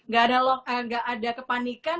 gak ada kepanikan